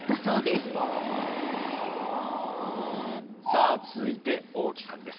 さあ続いて大木さんです。